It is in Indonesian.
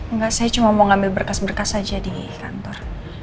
enggak saya cuma mau ngambil berkas berkas saja di kantor